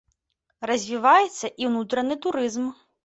Развіваецца і ўнутраны турызм.